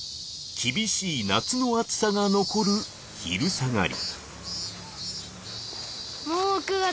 ［厳しい夏の暑さが残る昼下がり］